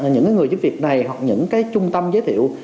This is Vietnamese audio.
những người giúp việc này hoặc những cái trung tâm giới thiệu